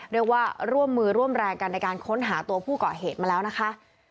ร่วมมือร่วมแรงกันในการค้นหาตัวผู้เกาะเหตุมาแล้วนะคะ